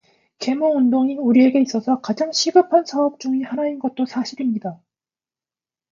계몽운동이 우리에게 있어서 가장 시급헌 사업 중의 하나인 것도 사실입니다.